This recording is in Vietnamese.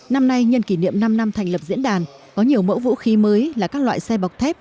năm nay nhân kỷ niệm năm năm thành lập diễn đàn có nhiều mẫu vũ khí mới là các loại xe bọc thép